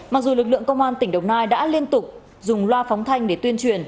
mặc dù lực lượng công an tỉnh đồng nai đã liên tục dùng loa phóng thanh để tuyên truyền